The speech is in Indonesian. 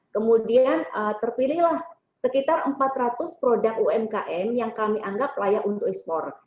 kemudian terpilihlah sekitar empat ratus produk umkm yang kami anggap layak untuk ekspor